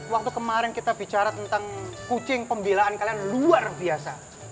waktu kemarin kita bicara tentang kucing pembelaan kalian luar biasa